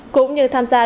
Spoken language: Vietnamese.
cũng như tham gia